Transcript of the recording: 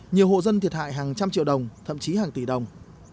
nhiều hộ dân thiệt hại hàng trăm triệu đồng thậm chí hàng tỷ đồng